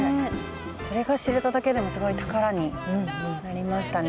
それが知れただけでもすごい宝になりましたね。